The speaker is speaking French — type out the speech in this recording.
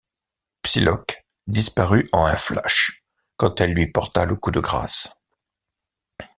Psylocke disparut en un flash quand elle lui porta le coup de grâce.